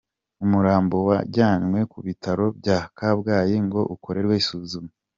Umurambo wajyanywe ku bitaro bya Kabgayi ngo ukorerwe isuzuma.